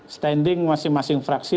standing masing masing fraksi